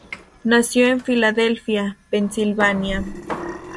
Nació en Filadelfia, Pensilvania.